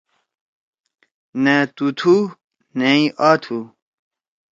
نأ تُو تُھو نأ ئی آ تُھو